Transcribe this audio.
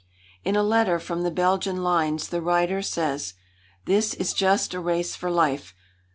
In a letter from the Belgian lines the writer says: "This is just a race for life.